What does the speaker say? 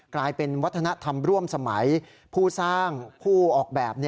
กลายเป็นวัฒนธรรมร่วมสมัยผู้สร้างผู้ออกแบบ